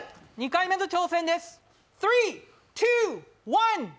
２回目の挑戦です。